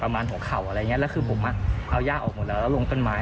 ประมาณ๖เข่าอะไรอย่างนี้แล้วคือผมอ่ะเอาย่าออกหมดแล้วลงเป็นไม้